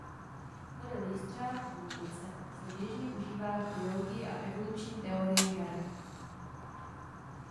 Model jestřáb–holubice se běžně užívá v biologii a evoluční teorii her.